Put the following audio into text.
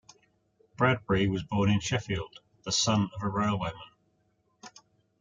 Bradbury was born in Sheffield, the son of a railwayman.